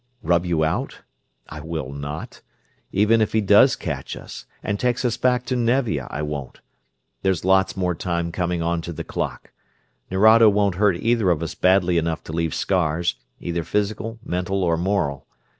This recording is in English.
"Rub you out? I will not. Even if he does catch us, and takes us back to Nevia, I won't. There's lots more time coming onto the clock. Nerado won't hurt either of us badly enough to leave scars, either physical, mental, or moral.